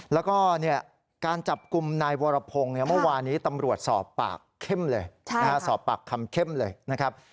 แล้วก็การจับกลุ่มนายวรพงศ์เมื่อวานี้ตำรวจสอบปากเข้มเลยสอบปากคำเข้มเลยนะครับ